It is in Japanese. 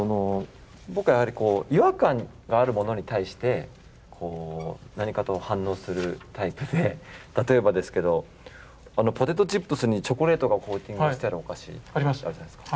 僕はやはり違和感があるものに対して何かと反応するタイプで例えばですけどポテトチップスにチョコレートがコーティングしてあるお菓子あるじゃないですか。